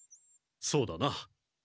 そうだな。